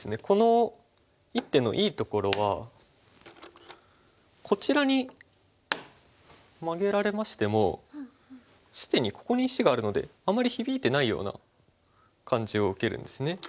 この一手のいいところはこちらにマゲられましても既にここに石があるのであんまり響いてないような感じを受けるんですね。